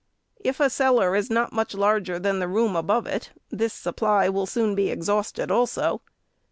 If a cellar is not much larger than the room above it, this supply will soon be exhausted also.